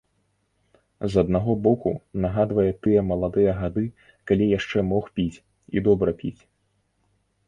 З аднаго боку, нагадвае тыя маладыя гады, калі яшчэ мог піць, і добра піць.